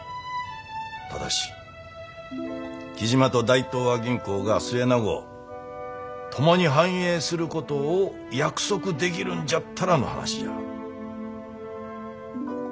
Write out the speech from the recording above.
ただし雉真と大東亜銀行が末永う共に繁栄することを約束できるんじゃったらの話じゃ。